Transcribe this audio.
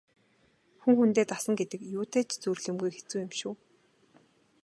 Хүн хүндээ дасна гэдэг юутай ч зүйрлэмгүй хэцүү юм шүү.